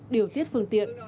điều tiết phương tiện